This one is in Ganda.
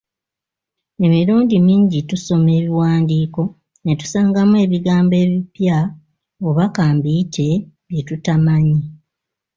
Emirundi mingi tusoma ebiwandiiko ne tusangamu ebigambo ebipya oba ka mbiyite bye tutamanyi.